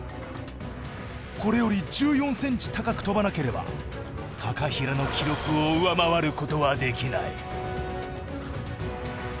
これより１４ｃｍ高く跳ばなければ平の記録を上回ることはできない。